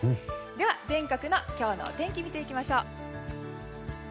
では、全国の今日のお天気見ていきましょう。